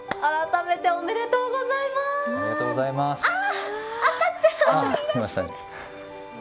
改めておめでとうございます。